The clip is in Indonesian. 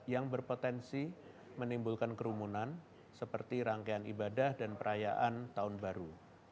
yang berpotensi menimbulkan kerumunan seperti rangkaian ibadah dan perayaan tahun baru